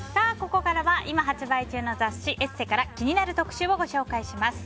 ここからは今発売中の雑誌「ＥＳＳＥ」から気になる特集をご紹介します。